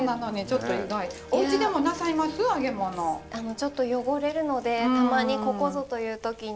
ちょっと汚れるのでたまにここぞという時に。